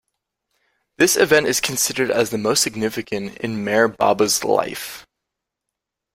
This event is considered as the most significant in Meher Baba's life.